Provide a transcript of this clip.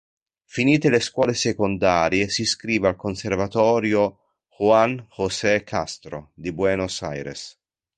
Finite le scuole secondarie si iscrive al Conservatorio “Juan José Castro” di Buenos Aires.